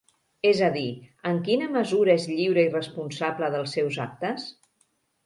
És a dir, en quina mesura és lliure i responsable dels seus actes?